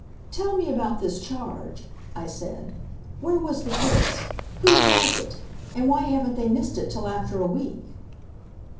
"Tell me about this charge," I said. "Where was the purse? Whose was it? And why haven't they missed it till after a week?"